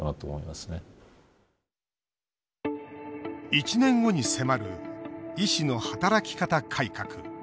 １年後に迫る医師の働き方改革。